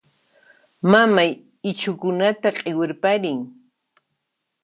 Mamay ichhukunata q'iwirparin.